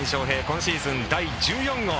今シーズン第１４号。